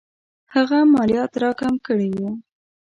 هغه مالیات را کم کړي وو.